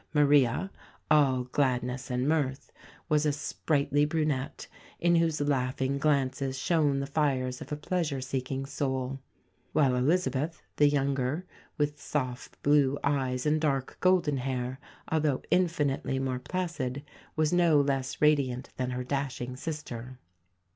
Maria, all gladness and mirth, was a sprightly brunette, in whose laughing glances shone the fires of a pleasure seeking soul; while Elizabeth, the younger, with soft blue eyes and dark golden hair, although infinitely more placid, was no less radiant than her dashing sister.